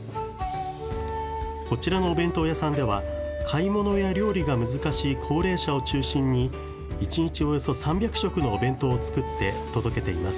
こちらのお弁当屋さんでは、買い物や料理が難しい高齢者を中心に、１日およそ３００食のお弁当を作って届けています。